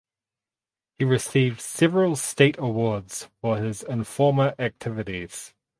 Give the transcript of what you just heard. He received several state awards for his informer activities.